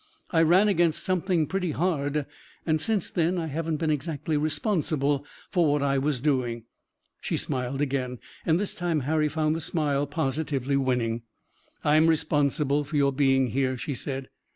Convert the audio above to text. I ran against something pretty hard, and since then I haven't been exactly responsible for what I was doing." She smiled again, and this time Harry found the smile positively winning. "I'm responsible for your being here," she said.